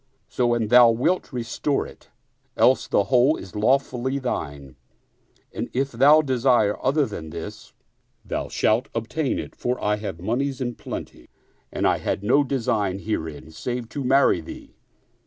So an thou wilt, restore it ; else the whole is lawfully thine ; and if thou desire other than this, thou shalt obtain it; for I have moneys in plenty and I had no design herein save to marry thee."